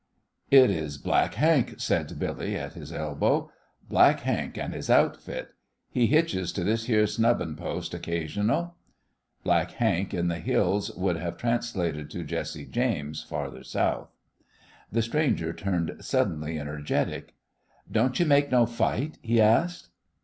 "It is Black Hank," said Billy, at his elbow, "Black Hank and his outfit. He hitches to this yere snubbin' post occasional." Black Hank in the Hills would have translated to Jesse James farther south. The stranger turned suddenly energetic. "Don't you make no fight?" he asked.